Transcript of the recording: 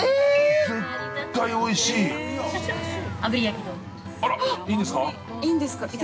絶対おいしい。